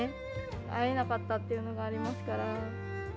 会えなかったっていうのがありますから。